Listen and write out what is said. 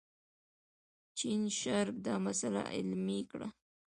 جین شارپ دا مسئله علمي کړه.